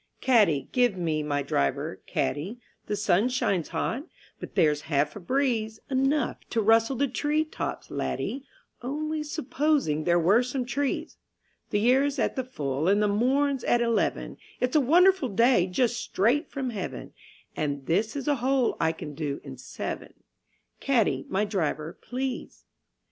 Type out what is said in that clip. Caddie, give me my driver, caddie, The sun shines hot, but there's half a breeze, Enough to rustle the tree tops, laddie, Only supposing there were some trees; The year's at the full and the morn's at eleven, It's a wonderful day just straight from Heaven, And this is a hole I can do in seven Caddie, my driver, please.